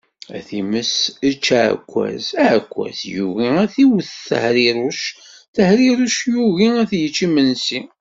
A times ečč aɛekkaz! Aɛekkaz yugi ad iwwet Tehriruc, Tehriruc yugi ad yečč imensi.